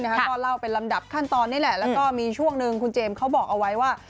ก็เล่าเป็นลำดับขั้นตอนนี่แหละแล้วก็มีช่วงหนึ่งคุณเจมส์เขาบอกเอาไว้ว่า